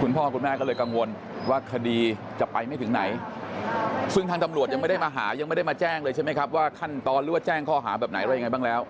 คุณพ่อคุณแม่ก็เลยกังวลว่าคดีจะไปไม่ถึงไหนซึ่งทางตำรวจยังไม่ได้มาหายังไม่ได้มาแจ้งเลยใช่ไหมครับว่าขั้นตอนหรือว่าแจ้งข้อหาแบบไหนอะไรยังไงบ้างแล้ว